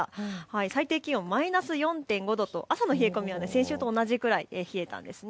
最低気温マイナス４．５度と朝の冷え込みは先週と同じくらい冷えたんです。